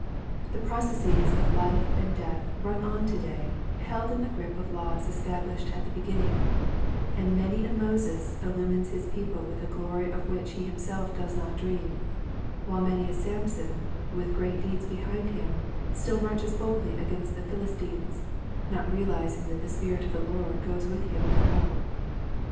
The processes of life and death run on to day held in the grip of laws established at the beginning, and many a Moses illumines his people with a glory of which he himself does not dream, while many a Samson with great deeds behind him still marches boldly against the Philistines not realizing that the spirit of the Lord goes with him now no more.